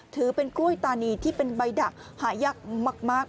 ถือเป็นกล้วยตานีที่เป็นใบดักหายากมาก